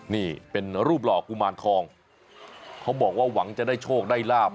นี่เป็นรูปหล่อกุมารทองเขาบอกว่าหวังจะได้โชคได้ลาบ